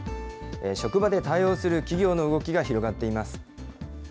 職場で対応する企業の動きが広がっています。